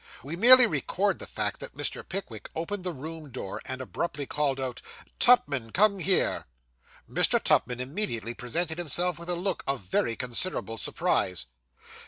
We merely record the fact that Mr. Pickwick opened the room door, and abruptly called out, 'Tupman, come here!' Mr. Tupman immediately presented himself, with a look of very considerable surprise.